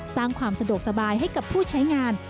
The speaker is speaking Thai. สร้างความสะดวกสบายให้กับผู้ใช้งาน